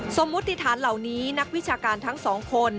สมมุติฐานเหล่านี้นักวิชาการทั้งสองคน